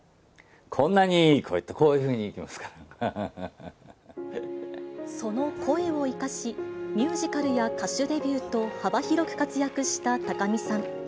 こんなにいい声って、その声を生かし、ミュージカルや歌手デビューと、幅広く活躍した高見さん。